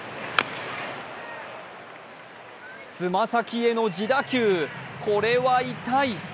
爪先への自打球、これは痛い。